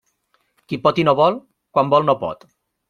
Qui pot i no vol, quan vol no pot.